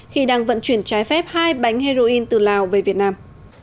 khi đang vận chuyển trái phép hai bánh heroin từ lào về việt nam